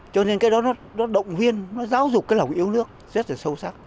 cho nên cái đó nó động viên nó giáo dục cái lòng yêu nước rất là sâu sắc